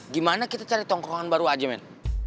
gimana kita cari tongkrongan baru aja man